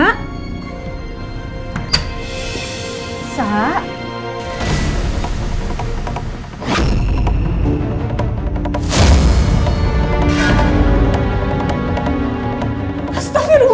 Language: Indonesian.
akhirnya itu menelitiknya